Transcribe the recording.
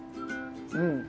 うん。